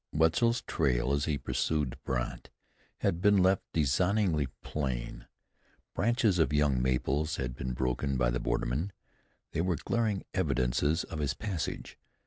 Wetzel's trail as he pursued Brandt had been left designedly plain. Branches of young maples had been broken by the borderman; they were glaring evidences of his passage.